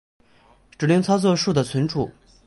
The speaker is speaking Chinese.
指令操作数的存储